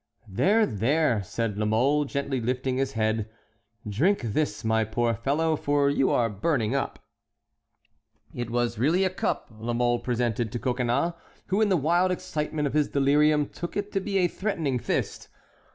"There, there!" said La Mole, gently lifting his head; "drink this, my poor fellow, for you are burning up." It was really a cup La Mole presented to Coconnas, who in the wild excitement of his delirium took it to be a threatening fist.